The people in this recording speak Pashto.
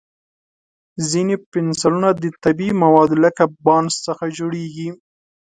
ځینې پنسلونه د طبیعي موادو لکه بانس څخه جوړېږي.